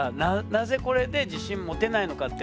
なぜこれで自信持てないのかって